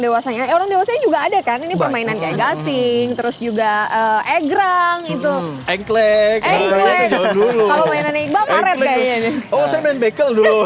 dewasanya orang dewasanya juga ada kan ini permainan gasing terus juga egrang itu engklek